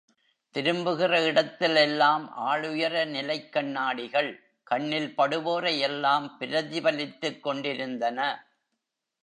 திரும்புகிற இடத்தில் எல்லாம் ஆள் உயர நிலைக் கண்ணாடிகள் கண்ணில் படுவோரையெல்லாம் பிரதிபலித்துக் கொண்டிருந்தன.